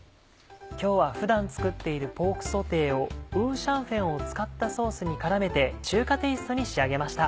今日は普段作っているポークソテーを五香粉を使ったソースに絡めて中華テイストに仕上げました。